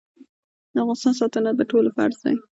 د افغانستان ساتنه د ټولو فرض دی